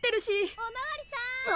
・おまわりさん！あっ！